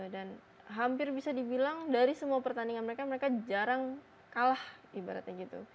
dan hampir bisa dibilang dari semua pertandingan mereka mereka jarang kalah ibaratnya gitu